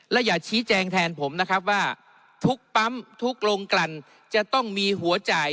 และอย่าชี้แจงแทนผมนะครับว่าทุกปั๊มทุกโรงกลั่นจะต้องมีหัวจ่าย